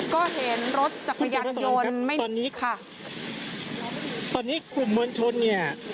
ก็เห็นรถจักรยานโยนคุณผู้หญิงมาสอนครับตอนนี้ค่ะตอนนี้กลุ่มมวลชนเนี่ย